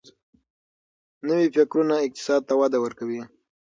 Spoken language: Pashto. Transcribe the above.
نوي فکرونه اقتصاد ته وده ورکوي.